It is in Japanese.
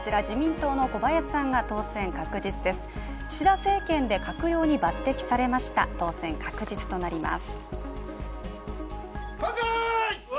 小林さん、岸田政権で閣僚に抜てきされました当選確実となります。